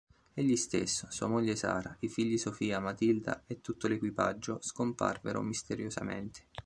Egli stesso, sua moglie Sarah, i figli Sophia Matilda e tutto l'equipaggio scomparvero misteriosamente.